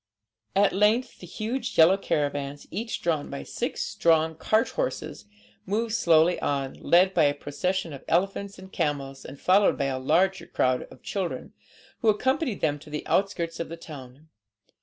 At length the huge yellow caravans, each drawn by six strong cart horses, moved slowly on, led by a procession of elephants and camels, and followed by a large crowd of children, who accompanied them to the outskirts of the town.